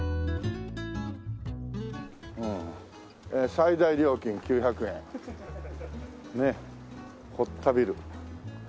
「最大料金９００円」ねえ堀田ビル。